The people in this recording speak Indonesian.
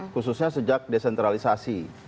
khususnya sejak desentralisasi